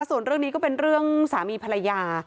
ส่วนเรื่องนี้ก็เป็นเรื่องสามีภรรยา